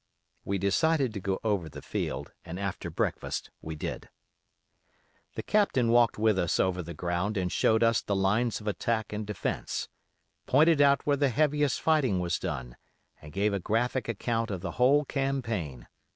We decided to go over the field, and after breakfast we did. "The Captain walked with us over the ground and showed us the lines of attack and defence; pointed out where the heaviest fighting was done, and gave a graphic account of the whole campaign.